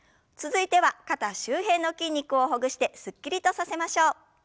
続いては肩周辺の筋肉をほぐしてすっきりとさせましょう。